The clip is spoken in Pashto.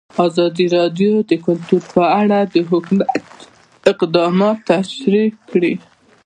ازادي راډیو د کلتور په اړه د حکومت اقدامات تشریح کړي.